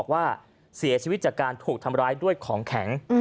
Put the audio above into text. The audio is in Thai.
ว่าเสียชีวิตจากการถูกทำร้ายด้วยของแข็ง